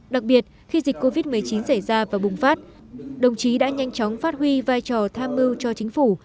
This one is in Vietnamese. đặc biệt khi dịch covid một mươi chín xảy ra và bùng phát đồng chí đã nhanh chóng phát huy vai trò tham mưu cho chính phủ